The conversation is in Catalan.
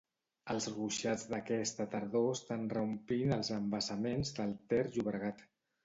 Els ruixats d'aquesta tardor estan reomplint els embassaments del Ter-Llobregat.